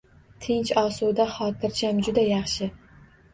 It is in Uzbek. Tinch-osuda, xotirjam… Juda yaxshi!